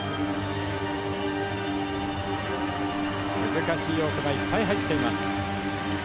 難しい要素がいっぱい入っています。